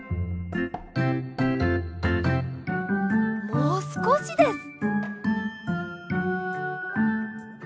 もうすこしです！